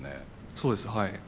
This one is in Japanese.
そうですはい。